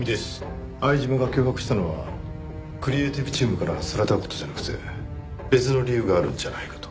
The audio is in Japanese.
相島が脅迫したのはクリエイティブチームから外された事じゃなくて別の理由があるんじゃないかと。